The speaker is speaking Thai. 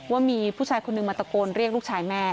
ว่ามีผู้ชายคนนึงมาตะโกนเรียกลูกชายแม่